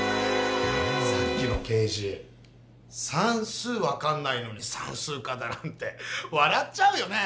さっきの刑事さんすう分かんないのにさんすう課だなんてわらっちゃうよね！